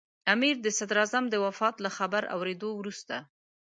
امیر د صدراعظم د وفات له خبر اورېدو وروسته.